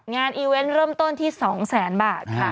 งานอีเวนต์เริ่มต้นที่๒๐๐๐๐๐บาท